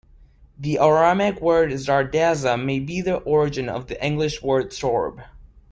The Aramaic word 'zardasa' may be the origin of the English word 'sorb'.